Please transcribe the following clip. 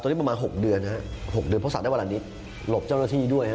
ตอนนี้ประมาณ๖เดือนฮะ๖เดือนเพราะศักดิ์ได้เวลานี้หลบเจ้าหน้าที่ด้วยฮะ